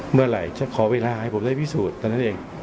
เมื่อไหร่จะขอเวลาให้ผมได้พิสูจน์เท่านั้นเอง